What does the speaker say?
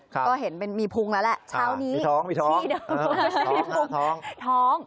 ก็เห็นเป็นมีภุงแล้วละเช้านี้ธ้องพี่เดิมมีภุงมีภุง